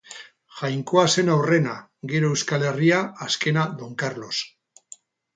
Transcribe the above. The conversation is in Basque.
Jainkoa zen aurrena, gero Euskal Herria, azkena Don Karlos.